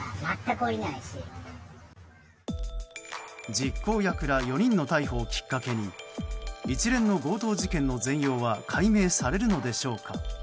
実行役ら４人の逮捕をきっかけに一連の強盗事件は全容解明されるのでしょうか。